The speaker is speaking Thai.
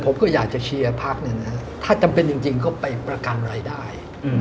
ผมก็อยากจะเชียร์พักเนี่ยนะถ้าจำเป็นจริงก็ไปประกันรายได้